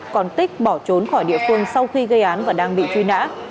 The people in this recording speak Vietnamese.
còn tích bỏ trốn khỏi địa phương sau khi gây án và đang bị truy nã